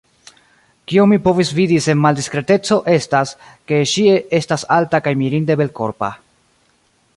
Kion mi povis vidi sen maldiskreteco, estas, ke ŝi estas alta kaj mirinde belkorpa.